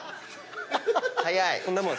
早い。